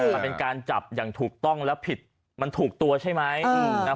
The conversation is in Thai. มันเป็นการจับอย่างถูกต้องแล้วผิดมันถูกตัวใช่ไหม